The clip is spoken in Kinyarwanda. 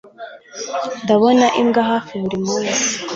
Ndabona imbwa hafi buri munsi